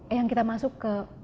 eyang kita masuk ke